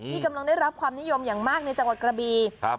กำลังได้รับความนิยมอย่างมากในจังหวัดกระบีครับ